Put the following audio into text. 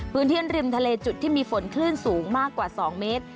พื้นที่ริมทะเลจุดที่มีฝนคลื่นสูงมากกว่า๒เมตร